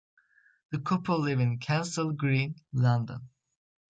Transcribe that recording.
The couple live in Kensal Green, London.